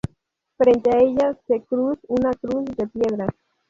Frente a ella se cruz una cruz de piedra.